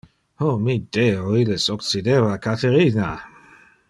Oh mi deo, illes occideva Caterina!